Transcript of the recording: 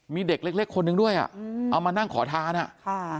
มีเด็กเล็กคนหนึ่งด้วยอ่ะเอามานั่งขอทานอ่ะค่ะ